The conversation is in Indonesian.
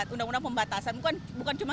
undang undang pembatasan bukan cuma